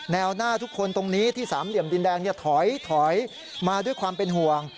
หน้าทุกคนตรงนี้ที่สามเหลี่ยมดินแดงถอยมาด้วยความเป็นห่วง